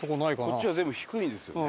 こっちは全部低いですよね。